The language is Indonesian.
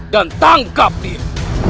dan tangkap dia